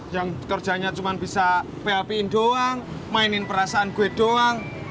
yang kerjanya cuman bisa